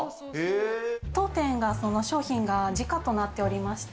当店が、その商品が時価となっておりまして。